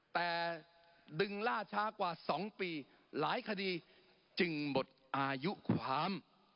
แต่ดึงล่าช้ากว่า๒ปีหลายคดีจึงหมดอายุความ